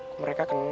kok mereka kenal